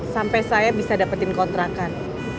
sampai saya bisa dapetin kontrakan